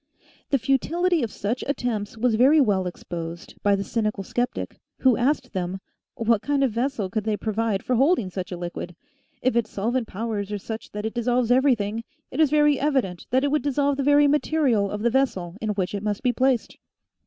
The futility of such attempts was very well exposed by the cynical sceptic, who asked them what kind of vessel could they provide for holding such a liquid ? If its solvent powers are such that it dissolves everything, it is very evi dent that it would dissolve the very material of the vessel in which it must be placed.